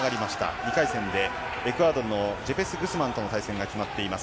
２回戦でエクアドルのジェペス・グスマンとの試合が決まっています。